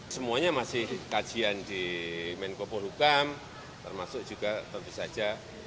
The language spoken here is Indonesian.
semuanya masih kajian di menko polhukam termasuk juga tentu saja